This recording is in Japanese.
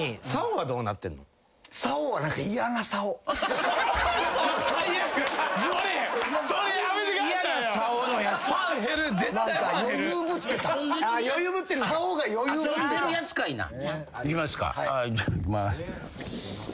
はいじゃあいきます。